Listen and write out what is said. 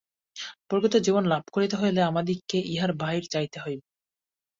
প্রকৃত জীবন লাভ করিতে হইলে আমাদিগকে ইহার বাহিরে যাইতে হইবে।